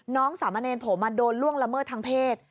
น้องสามเณรโผมันโดนล่วงละเมิดทางเพศ